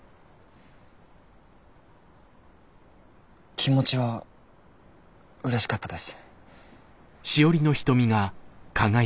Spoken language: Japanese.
気持ちはうれしかったです。